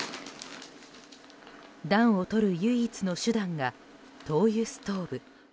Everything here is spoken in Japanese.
暖を取る唯一の手段が灯油ストーブ。